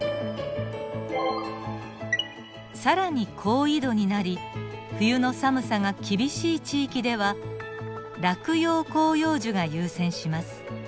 更に高緯度になり冬の寒さが厳しい地域では落葉広葉樹が優占します。